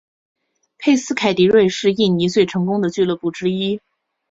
佩斯凯迪瑞是印尼最成功的俱乐部之一。